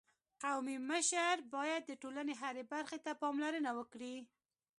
قومي مشر باید د ټولني هري برخي ته پاملرنه وکړي.